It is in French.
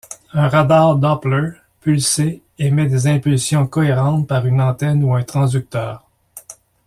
Un radar Doppler pulsé émet des impulsions cohérentes par une antenne ou un transducteur.